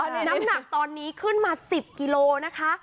น้ำหนักตอนนี้ขึ้นมา๑๐กิโลนะคะ